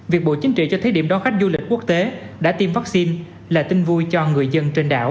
việc bộ chính trị cho thí điểm đón khách du lịch quốc tế đã tiêm vaccine là tin vui cho người dân trên đảo